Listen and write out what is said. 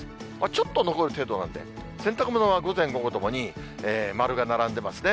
ちょっと残る程度なんで、洗濯物は、午前午後ともに、丸が並んでますね。